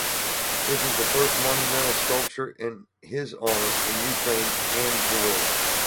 This is the first monumental sculpture in his honor in Ukraine and the world.